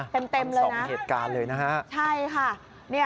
เป็นสองเหตุการณ์เลยนะฮะ